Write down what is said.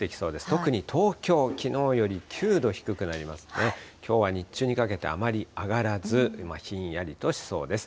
特に東京、きのうより９度低くなりますんでね、きょうは日中にかけてあまり上がらず、ひんやりとしそうです。